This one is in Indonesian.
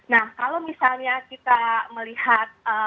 nah kalau misalnya kita melihat